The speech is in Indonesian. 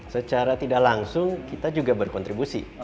secara tidak langsung kita juga berkontribusi